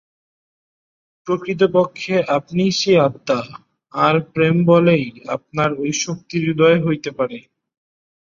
প্রকৃতপক্ষে আপনিই সেই আত্মা, আর প্রেমবলেই আপনার ঐ শক্তির উদয় হইতে পারে।